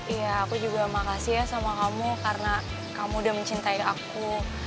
iya aku juga makasih ya sama kamu karena kamu udah mencintai aku